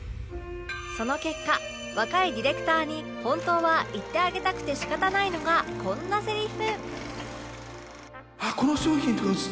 その結果若いディレクターに本当は言ってあげたくて仕方ないのがこんなセリフ